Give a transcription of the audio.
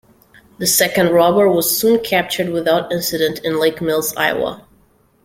The second robber was soon captured without incident in Lake Mills, Iowa.